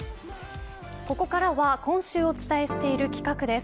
ここからは今週お伝えしている企画です。